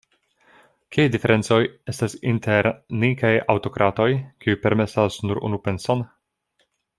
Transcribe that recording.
Kiaj diferencoj estas inter ni kaj aŭtokratoj, kiuj permesas nur unu penson?